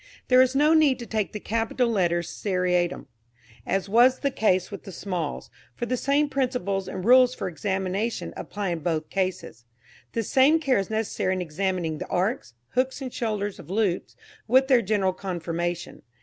There is no need to take the capital letters seriatim, as was the case with the smalls, for the same principles and rules for examination apply in both cases. The same care is necessary in examining the arcs, hooks and shoulders of loops, with their general conformation.